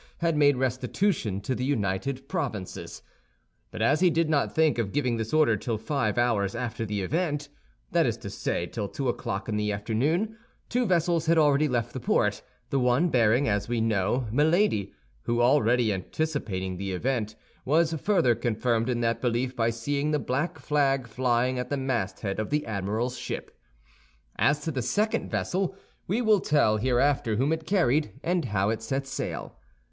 had made restitution to the United Provinces. But as he did not think of giving this order till five hours after the event—that is to say, till two o'clock in the afternoon—two vessels had already left the port, the one bearing, as we know, Milady, who, already anticipating the event, was further confirmed in that belief by seeing the black flag flying at the masthead of the admiral's ship. As to the second vessel, we will tell hereafter whom it carried, and how it set sail.